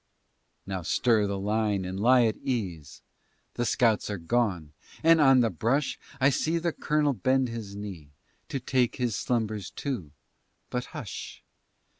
Now stir the fire and lie at ease, The scouts are gone, and on the brush I see the Colonel bend his knee, To take his slumbers too. But hush!